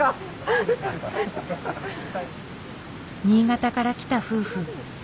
新潟から来た夫婦。